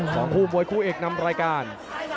ของคู่มวยคู่เอกนำรายการ